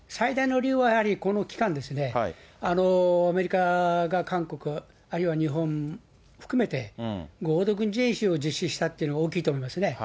最大の理由は、やはりこの期間、アメリカが韓国、あるいは日本含めて合同軍事演習を実施したというのが大きいと思いますね。